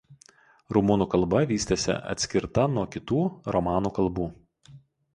Rumunų kalba vystėsi atskirta nuo kitų romanų kalbų.